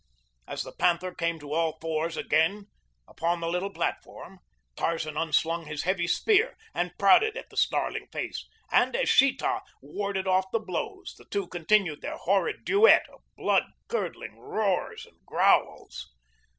As the panther came to all fours again upon the little platform, Tarzan un slung his heavy spear and prodded at the snarling face, and as Sheeta warded off the blows, the two continued their horrid duet of blood curdling roars and growls.